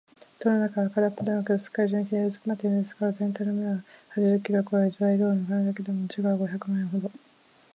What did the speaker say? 塔の中はからっぽではなく、すっかり純金でうずまっているのですから、ぜんたいの目方は八十キロをこえ、材料の金だけでも時価五百万円ほど